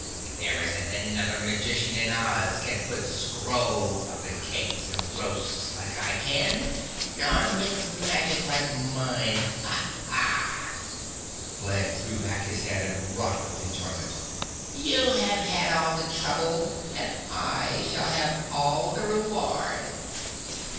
There isn't another magician in Oz can put scrolls up in cakes and roasts like I can nor mix magic like mine. Ha! Ha!" Glegg threw back his head and rocked with enjoyment. "You have had all the trouble and I shall have all the reward!"